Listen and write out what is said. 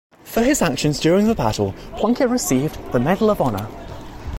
For his actions during the battle Plunkett received the Medal of Honor.